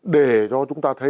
để cho chúng ta thấy